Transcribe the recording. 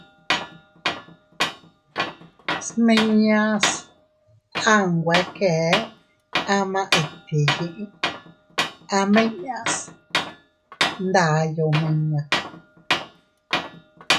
Smiñas a nwe kee ama itti yiʼi am inña, se nday omiña.